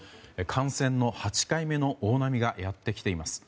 感染の８回目の大波がやってきています。